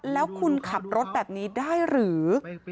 แล้วคุณขับรถแบบนี้ได้หรือ